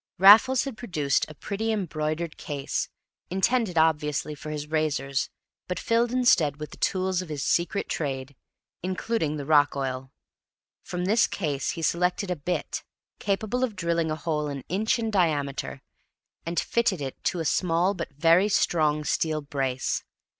Raffles had produced a pretty embroidered case, intended obviously for his razors, but filled instead with the tools of his secret trade, including the rock oil. From this case he selected a "bit," capable of drilling a hole an inch in diameter, and fitted it to a small but very strong steel "brace."